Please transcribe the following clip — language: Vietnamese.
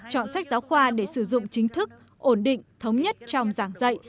chọn sách giáo khoa để sử dụng chính thức ổn định thống nhất trong giảng dạy